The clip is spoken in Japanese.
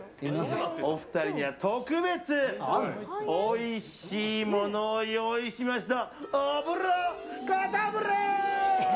お二人には特別おいしいものを用意しました。